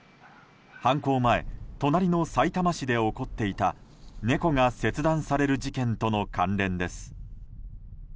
犯行前、隣のさいたま市で起こっていた猫が切断される事件との関連です。